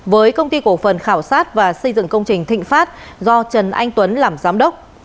với công ty cổ phần khảo sát và xây dựng công trình thịnh pháp do trần anh tuấn làm giám đốc